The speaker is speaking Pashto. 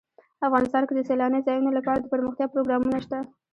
افغانستان کې د سیلانی ځایونه لپاره دپرمختیا پروګرامونه شته.